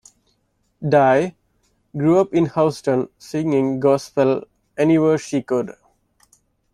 Di grew up in Houston singing gospel anywhere she could.